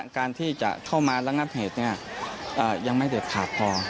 การที่จะเข้ามาระงับเหตุยังไม่เด็ดขาดพอ